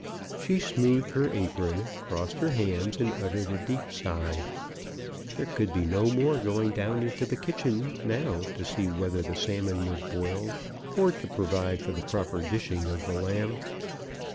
She smoothed her apron, crossed her hands, and uttered a deep sigh. There could be no more going down into the kitchen now to see whether the salmon was boiled, or to provide for the proper dishing of the lamb.